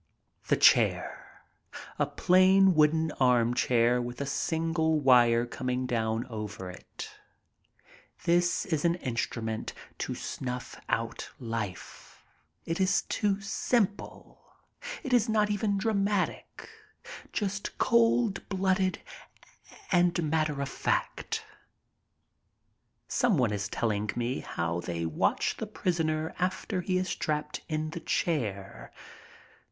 The chair — a plain wooden armchair and a single wire coming down over it. This is an instrument to snuff out life. It is too simple. It is not even dramatic. Just cold blooded and matter of fact. Some one is telling me how they watch the prisoner after he is strapped in the chair.